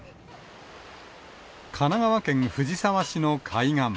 神奈川県藤沢市の海岸。